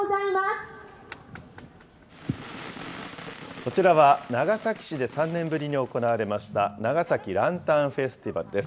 こちらは、長崎市で３年ぶりに行われました、長崎ランタンフェスティバルです。